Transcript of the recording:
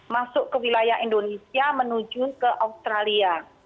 masuk ke wilayah indonesia menuju ke australia